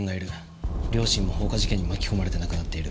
両親も放火事件に巻き込まれて亡くなっている。